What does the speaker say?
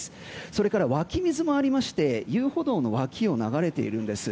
それから湧き水もありまして遊歩道の脇を流れているんです。